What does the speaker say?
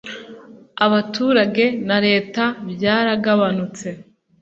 abaturage na Leta byaragabanutse